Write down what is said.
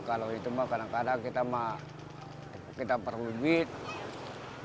kalau itu kadang kadang kita perlu uang